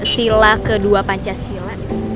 sila kedua pancasila